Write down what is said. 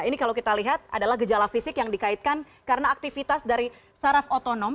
ini kalau kita lihat adalah gejala fisik yang dikaitkan karena aktivitas dari saraf otonom